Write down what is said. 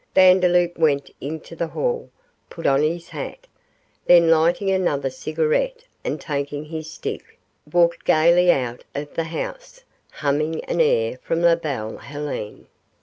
Vandeloup went into the hall, put on his hat, then lighting another cigarette and taking his stick, walked gaily out of the house, humming an air from 'La Belle Helene'.